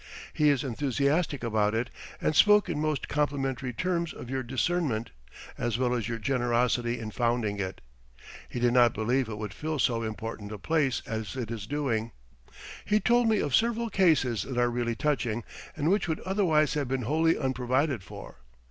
He is enthusiastic about it and spoke in most complimentary terms of your discernment, as well as your generosity in founding it. He did not believe it would fill so important a place as it is doing. He told me of several cases that are really touching, and which would otherwise have been wholly unprovided for.